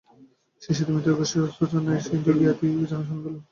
সিসিদের মিত্রগোষ্ঠীর অন্তশ্চর নয় সে, কিন্তু জ্ঞাতি, অর্থাৎ জানাশোনার দলে।